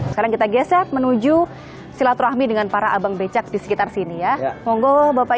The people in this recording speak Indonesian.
sekarang kita geser menuju silaturahmi dengan para abang becak di sekitar sini ya monggo bapak